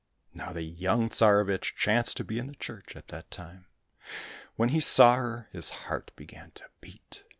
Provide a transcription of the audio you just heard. Now the young Tsarevich chanced to be in church at that time. When he saw her, his heart began to beat.